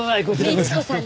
倫子さん